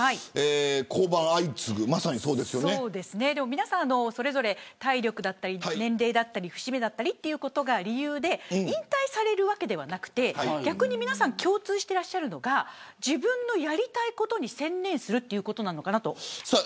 皆さんそれぞれ体力だったり年齢だったり節目だったりというのが理由で引退されるわけではなくて逆に皆さん、共通しているのが自分のやりたいことに専念するということなのかなと思います。